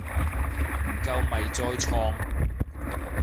唔夠咪再創